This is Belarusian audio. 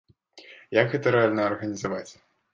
Як гэта рэальна арганізаваць?